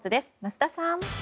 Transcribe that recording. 桝田さん。